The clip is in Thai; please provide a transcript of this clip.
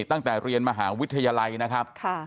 ตั้งแต่เรียนมหาวิทยาลัยนะครับ